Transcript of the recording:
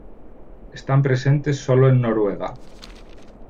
Están presentes solo en Noruega.